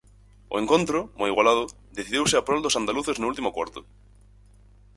O encontro, moi igualado, decidiuse a prol dos andaluces no último cuarto.